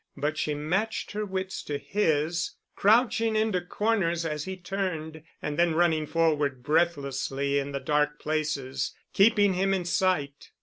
But she matched her wits to his, crouching into corners as he turned and then running forward breathlessly in the dark places, keeping him in sight.